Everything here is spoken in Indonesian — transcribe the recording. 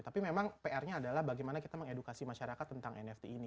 tapi memang pr nya adalah bagaimana kita mengedukasi masyarakat tentang nft ini